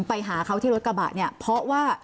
ไปหาเขาที่รถกระบะเนี่ยเพราะว่า